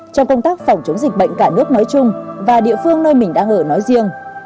trong công tác phòng chống dịch bệnh cả nước nói chung và địa phương nơi mình đang ở nói riêng